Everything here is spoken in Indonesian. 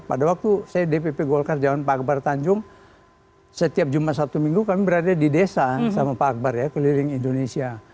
pada waktu saya dpp golkar zaman pak akbar tanjung setiap jumat sabtu minggu kami berada di desa sama pak akbar ya keliling indonesia